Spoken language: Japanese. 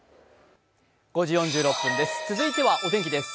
続いてはお天気です。